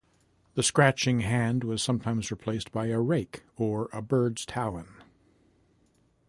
The scratching hand was sometimes replaced by a rake or a bird's talon.